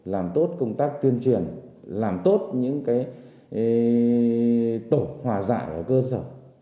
làm tốt công tác tuyên truyền làm tốt những tổ hòa dạy ở cơ sở